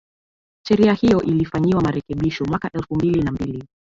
sheria hiyo ilifanyiwa marekebisho mwaka elfu mbili na mbili